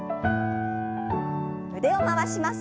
腕を回します。